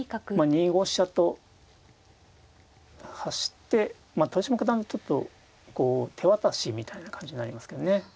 ２五飛車と走って豊島九段ちょっとこう手渡しみたいな感じになりますけどね。